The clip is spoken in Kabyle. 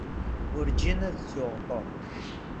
Werǧin ad ttuɣ Tom.